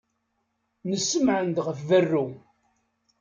Nessemɛen-d ɣef berru.